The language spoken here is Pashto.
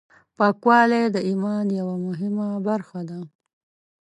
پاکوالی د ایمان یوه مهمه برخه ده.